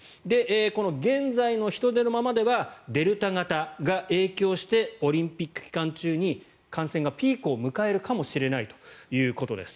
この現在の人出のままではデルタ型が影響してオリンピック期間中に感染がピークを迎えるかもしれないということです。